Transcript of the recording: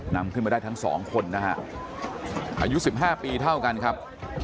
นำขึ้นมาได้ทั้งสองคนนะฮะอายุ๑๕ปีเท่ากันครับ